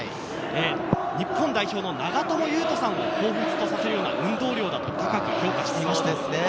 日本代表の長友佑都さんをほうふつとさせるような運動量を高く評価しています。